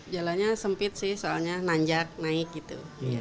jalannya sempit sih soalnya nanjak naik gitu